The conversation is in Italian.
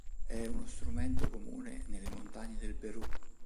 È uno strumento comune nelle montagne del Perù.